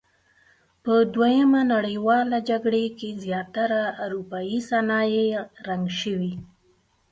په دویمې نړیوالې جګړې کې زیاتره اورپایي صنایع رنګ شوي.